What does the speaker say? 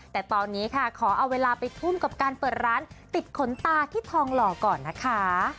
แต่ตอนนี้ค่ะขอเอาเวลาไปทุ่มกับการเปิดร้านติดขนตาที่ทองหล่อก่อนนะคะ